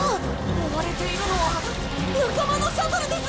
追われているのは仲間のシャトルです！